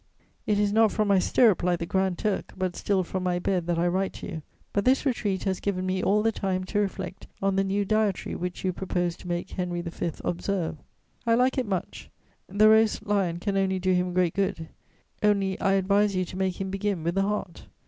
"It is not from my stirrup, like the Grand Turk, but still from my bed that I write to you; but this retreat has given me all the time to reflect on the new dietary which you propose to make Henry V. observe. I like it much; the roast lion can only do him great good; only I advise you to make him begin with the heart.